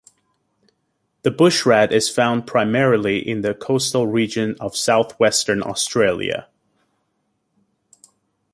The bush rat is found primarily in the coastal regions of southwestern Australia.